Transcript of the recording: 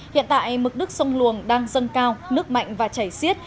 hiện tại mực nước sông luồng đang dâng cao nước mạnh và chảy xiết